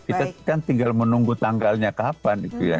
kita kan tinggal menunggu tanggalnya kapan itu ya